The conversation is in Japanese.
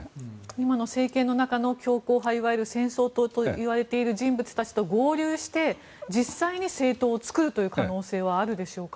今の政権の中の強硬派いわゆる戦争党と言われる人物たちと合流して実際に政党を作る可能性はあるでしょうか。